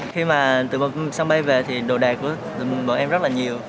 khi mà từ sân bay về thì đồ đẹp của bọn em rất là nhiều